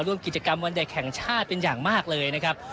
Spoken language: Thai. ร่วมกิจกรรมวันเด็กแห่งชาติเป็นอย่างมากเลยนะครับ